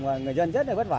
mà người dân rất là bất vả